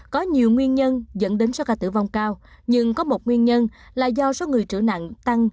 có nhiều nguyên nhân dẫn đến số ca tử vong cao nhưng có một nguyên nhân là do số người trở nặng tăng